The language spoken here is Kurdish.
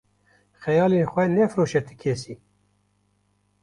Xeyalên xwe nefiroşe ti kesî.